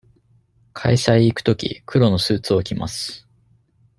会社へ行くとき、黒のスーツを着ます。